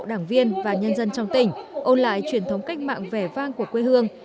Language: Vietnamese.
đảng viên và nhân dân trong tỉnh ôn lại truyền thống cách mạng vẻ vang của quê hương